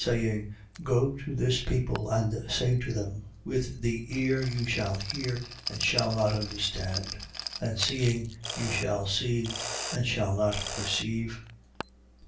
Saying: Go to this people and say to them: With the ear you shall hear and shall not understand: and seeing you shall see and shall not perceive.